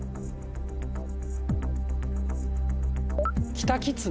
「キタキツネ」。